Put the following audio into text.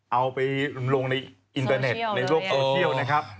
เอาไปลงในอินเตอร์เน็ตในโลกโซเชียลนะครับ